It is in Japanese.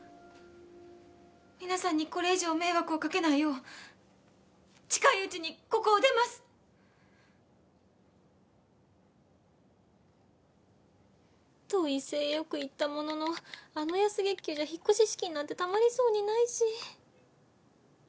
皆さんにこれ以上迷惑をかけないよう近いうちにここを出ます！と威勢よく言ったもののあの安月給じゃ引っ越し資金なんて貯まりそうにないし。